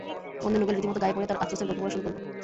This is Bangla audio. বন্ধু নোবেল রীতিমতো গায়ে পড়ে তার আফসোসের গল্প বলা শুরু করল।